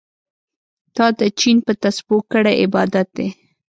تا د چين په تسبو کړی عبادت دی